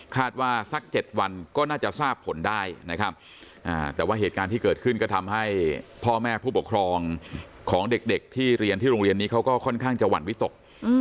ว่าสัก๗วันก็น่าจะทราบผลได้นะครับแต่ว่าเหตุการณ์ที่เกิดขึ้นก็ทำให้พ่อแม่ผู้ปกครองของเด็กที่เรียนที่โรงเรียนนี้เขาก็ค่อนข้างจะหวั่นวิตก